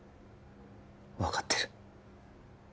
分かってる